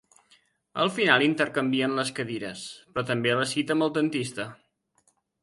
Al final intercanvien les cadires, però també la cita amb el dentista.